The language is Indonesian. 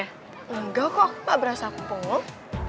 engga kok gak berasa aku bengong